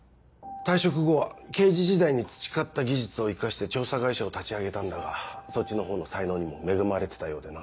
退職後は刑事時代に培った技術を生かして調査会社を立ち上げたんだがそっちのほうの才能にも恵まれてたようでな。